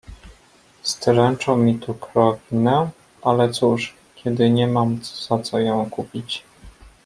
"Stręczą mi tu krowinę, ale cóż, kiedy nie mam za co ją kupić."